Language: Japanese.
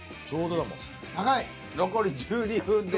残り１２分です。